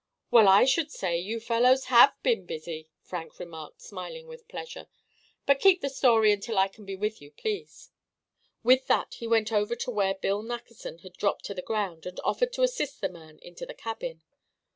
"Well, I should say you fellows have been busy," Frank remarked, smiling with pleasure; "but keep the story until I can be with you, please." With that he went over to where Bill Nackerson had dropped to the ground, and offered to assist the man into the cabin.